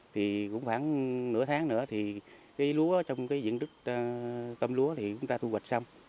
thì cũng khoảng nửa tháng nữa thì cái lúa trong cái diện đức tôm lúa thì chúng ta thu hoạch xong